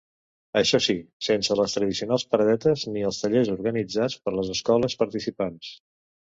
Això sí, sense les tradicionals paradetes ni els tallers organitzats per les escoles participants.